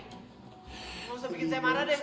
nggak usah bikin saya marah deh